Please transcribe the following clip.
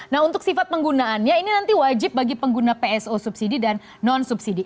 nah untuk sifat penggunaannya ini nanti wajib bagi pengguna pso subsidi dan non subsidi